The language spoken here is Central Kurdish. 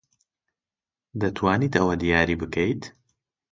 دەتوانیت ئەوە دیاری بکەیت؟